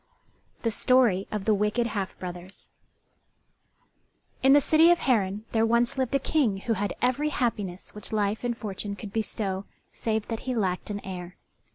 THE STORY OF THE WICKED HALF BROTHERS In the city of Harran there once lived a King who had every happiness which life and fortune could bestow save that he lacked an heir.